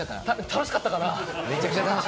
楽しかったかな？